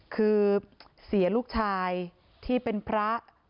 คือเสียลูกชายที่เป็นพระ